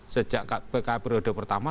sejak periode pertama